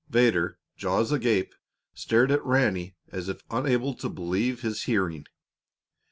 Vedder, jaws agape, stared at Ranny as if unable to believe his hearing.